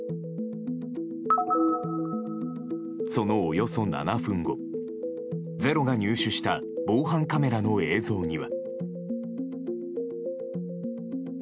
そのおよそ７分後「ｚｅｒｏ」が入手した防犯カメラの映像には。